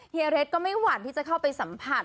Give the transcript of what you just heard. เยเรทก็ไม่หวั่นที่จะเข้าไปสัมผัส